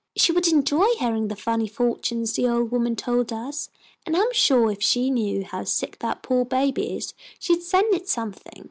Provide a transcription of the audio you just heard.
"She would enjoy hearing the funny fortunes the old woman told us, and I'm suah if she knew how sick that poah baby is she'd send it something.